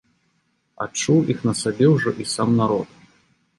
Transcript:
Адчуў іх на сабе ўжо і сам народ.